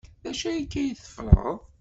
D acu akka ay teffreḍ?